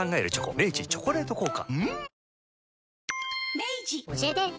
明治「チョコレート効果」